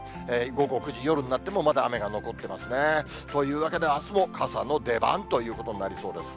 午後９時、夜になってもまだ雨が残ってますね。というわけで、あすも傘の出番ということになりそうです。